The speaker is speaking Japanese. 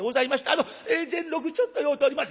あの善六ちょっと酔うておりまして」。